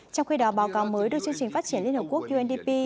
trong khi đó báo cáo mới đưa chương trình phát triển liên hợp quốc undp